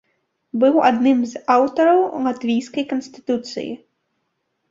Быў адным з аўтараў латвійскай канстытуцыі.